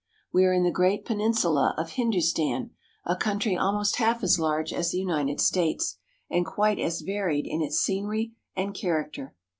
We are in the great peninsula of Hindu stan, a country almost half as large as the United States, and quite as varied in its scenery and character.